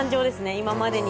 今までに。